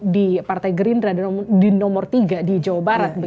di partai gerindra di nomor tiga di jawa barat